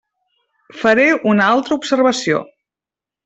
Faré una altra observació.